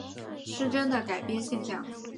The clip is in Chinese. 失真的改变现象。